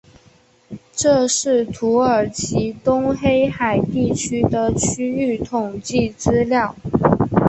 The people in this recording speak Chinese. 这是土耳其东黑海地区的区域统计资料。